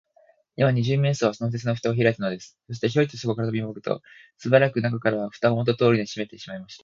今、二十面相は、その鉄のふたをひらいたのです。そして、ヒョイとそこへとびこむと、すばやく中から、ふたをもとのとおりにしめてしまいました。